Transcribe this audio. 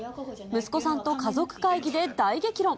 息子さんと家族会議で大激論。